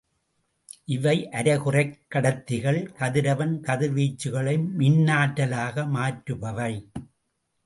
இவை அரைகுறைக் கடத்திகள்.கதிரவன் கதிர்வீச்சுக்களை மின்னாற்றலாக மாற்றுபவை.